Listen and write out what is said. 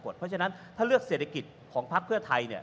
เพราะฉะนั้นถ้าเลือกเศรษฐกิจของพักเพื่อไทย